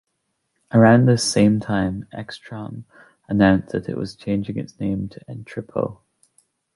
Around this same time, Exatron announced that it was changing its name to Entrepo.